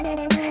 kau mau kemana